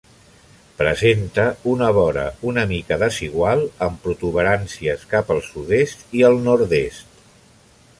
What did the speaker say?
Presenta una vora una mica desigual, amb protuberàncies cap al sud-est i el nord-est.